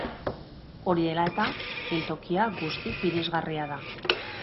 Hori dela eta geltokia guztiz irisgarria da.